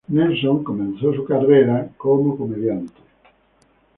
Nelson comenzó su programa de carrera como comediante.